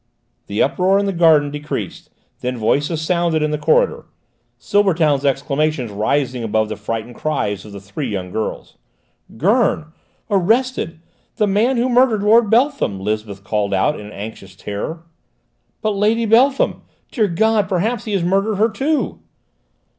The uproar in the garden decreased, then voices sounded in the corridor, Silbertown's exclamations rising above the frightened cries of the three young girls. "Gurn! Arrested! The man who murdered Lord Beltham!" Lisbeth called out in anxious terror. "But Lady Beltham? Dear God, perhaps he has murdered her too!"